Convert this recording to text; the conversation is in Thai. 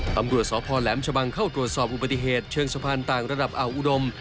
ตำรวจสพแหลมชะบังเข้าตรวจสอบอุบัติเหตุเชิงสะพานต่างระดับอ่าวอุดม